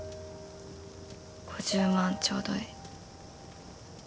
「５０万ちょうだい。